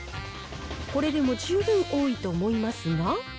之でも十分多いと思いますが。